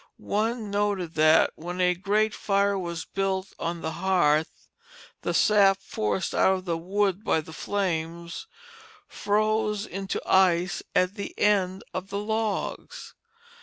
One noted that, when a great fire was built on the hearth, the sap forced out of the wood by the flames froze into ice at the end of the logs.